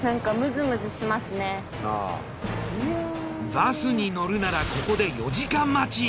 バスに乗るならここで４時間待ち。